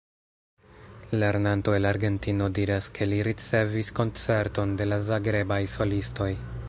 Lernanto el Argentino diras, ke li ricevis koncerton de la Zagrebaj solistoj.